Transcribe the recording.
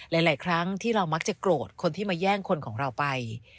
หลายครั้งที่เรามักจะโกรธคนที่มาแย่งคนของเราไป